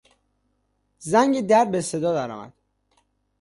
زنگ در به صدا درآمد.